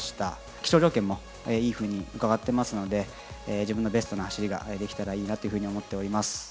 気象条件もいいふうに伺ってますので、自分のベストな走りができたらいいなというふうに思っております。